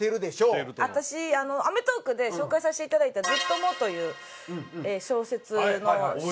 私『アメトーーク』で紹介させていただいた『ずっと喪』という小説の。